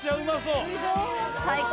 最高。